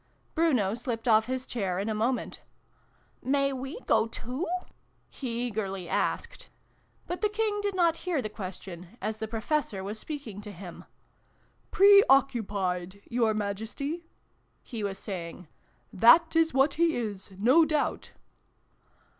Bruno slipped off his chair in a moment. "May we go too?" he eagerly asked. But the King did not hear the question, as the Professor was speaking to him. " Preoccupied, your Majesty !" he was saying. " That is what he is, no doubt